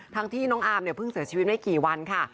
ที่น้องอาร์มเนี่ยเพิ่งเสียชีวิตไม่กี่วันค่ะ